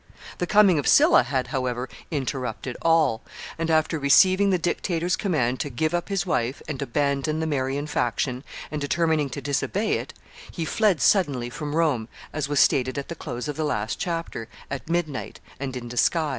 The coming of Sylla had, however, interrupted all; and, after receiving the dictator's command to give up his wife and abandon the Marian faction, and determining to disobey it, he fled suddenly from Rome, as was stated at the close of the last chapter, at midnight, and in disguise.